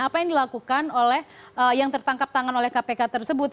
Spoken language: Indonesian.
apa yang dilakukan oleh yang tertangkap tangan oleh kpk tersebut